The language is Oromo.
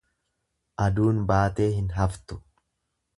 Aduun baatee hin haftu.